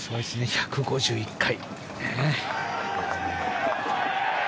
１５１回。